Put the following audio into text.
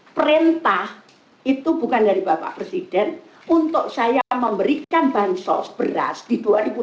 perintah itu bukan dari bapak presiden untuk saya memberikan bansos beras di dua ribu dua puluh